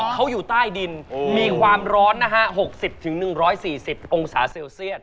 เขาอยู่ใต้ดินมีความร้อนนะฮะ๖๐๑๔๐องศาเซลเซียต